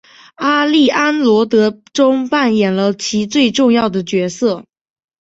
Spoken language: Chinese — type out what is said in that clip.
阿丽安萝德中扮演了其最重要的角色。